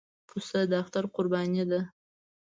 پسه د اختر قرباني ده.